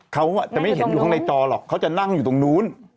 เขาจะไม่เห็นอยู่ข้างในจอหรอกเขาจะนั่งอยู่ตรงนู้น